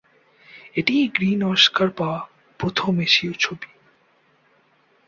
এটিই Green Oscar পাওয়া প্রথম এশীয় ছবি।